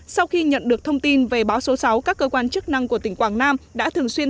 sau khi nhận được thông tin về báo số sáu các cơ quan chức năng của tỉnh quảng nam đã thường xuyên